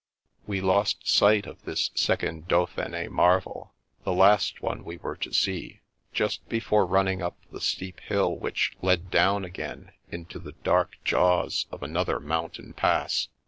We lost sight of this second Dauphine Marvel (the last one we were to see) just before running up the steep hill which led down again into the dark jaws of another mountain pass.